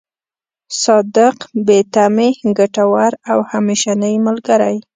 صادق، بې تمې، ګټور او همېشنۍ ملګری.